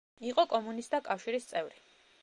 იყო კომუნისტთა კავშირის წევრი.